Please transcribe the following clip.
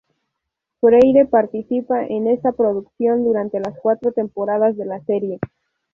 Freire participa en esta producción durante las cuatro temporadas de la serie.